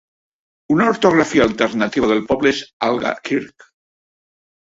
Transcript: Una ortografia alternativa del poble és "Algakirk".